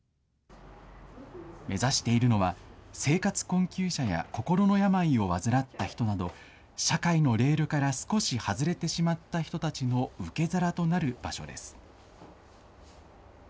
目指しているのは、生活困窮者や心の病を患った人など、社会のレールから少し外れてしまった人たちの受け皿となる場所です。